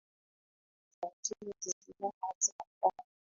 kwa shughuli za nje ziara za pwani